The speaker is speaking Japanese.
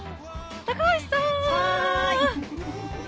高橋さん！